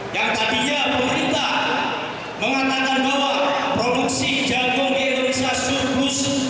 yang tadinya pemerintah mengatakan bahwa produksi jago di indonesia surplus